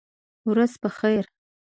ورځ په خیر !